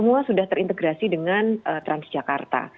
jadi ini sudah terintegrasi dengan transportasi transjakarta